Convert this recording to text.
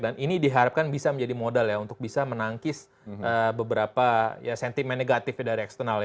dan ini diharapkan bisa menjadi modal ya untuk bisa menangkis beberapa sentimen negatif dari eksternal